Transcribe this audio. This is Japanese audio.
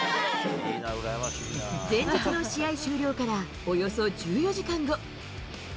前日の試合終了からおよそ１４時間後。